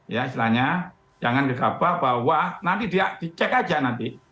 ya istilahnya jangan gegabah bahwa nanti dicek aja nanti